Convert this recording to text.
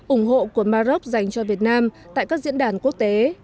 ủng hộ của mà rốc dành cho việt nam tại các diễn đàn quốc tế